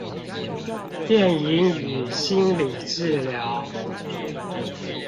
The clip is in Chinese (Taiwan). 電影與心理治療